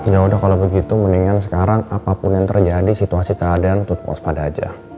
yaudah kalau begitu mendingan sekarang apapun yang terjadi situasi keadaan tutup pos pada aja